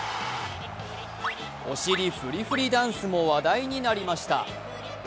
お尻フリフリダンスも話題になりました。